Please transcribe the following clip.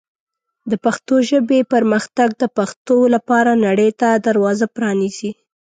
د پښتو ژبې پرمختګ د پښتو لپاره نړۍ ته دروازه پرانیزي.